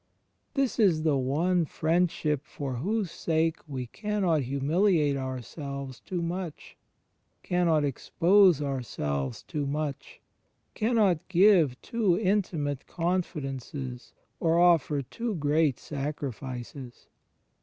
This is the one Friendship for whose sake we cannot hmniliate ourselves too much, cannot expose ourselves too much, cannot give too intimate confi dences or offer too great sacrifices.